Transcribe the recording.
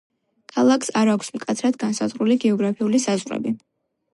ქალაქს არ აქვს მკაცრად განსაზღვრული გეოგრაფიული საზღვრები.